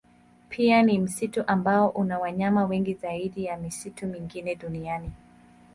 Pia ni msitu ambao una wanyama wengi zaidi ya misitu mingine duniani.